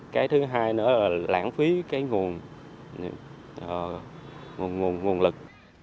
cái thứ hai nữa là lãng phí cái nguồn lực